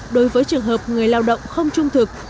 đối với trường hợp người lao động không trung thực